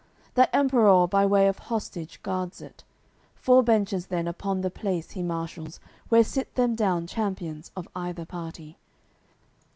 That Emperour by way of hostage guards it; Four benches then upon the place he marshals Where sit them down champions of either party.